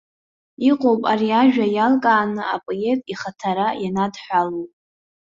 Иҟоуп ари ажәа иалкааны апоет ихаҭара ианадҳәалоу.